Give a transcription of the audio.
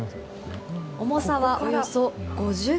重さはおよそ５０ｋｇ。